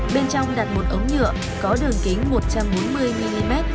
bên trong đặt một ống nhựa có đường kính một trăm bốn mươi mm